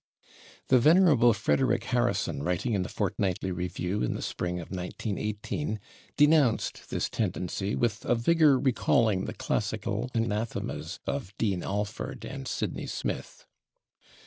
The venerable Frederic Harrison, writing in the /Fortnightly Review/ in the Spring of 1918, denounced this tendency with a vigor recalling the classical anathemas of Dean Alford and Sydney Smith.